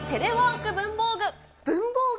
テレワーク文房具。